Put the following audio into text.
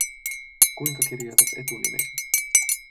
Kuinka kirjoitat etunimesi?